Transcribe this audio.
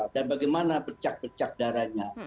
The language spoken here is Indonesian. dan bagaimana pecak pecak darahnya